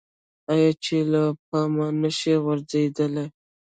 آیا چې له پامه نشي غورځیدلی؟